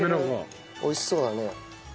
美味しそうだね。